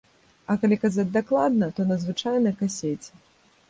А калі казаць дакладна, то на звычайнай касеце.